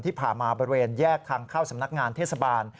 ที่ผ่านมาบริเวณแยกทางเข้าสำนักงานเทศบาล